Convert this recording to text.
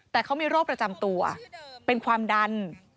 แต่เขามีโรคประจำตัวเป็นความดัน